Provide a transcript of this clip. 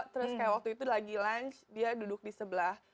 terus kayak waktu itu lagi lunch dia duduk di sebelah